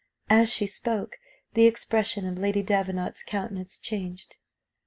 As she spoke the expression of Lady Davenant's countenance changed.